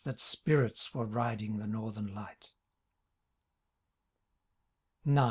That spirits were tiding the northern light IX.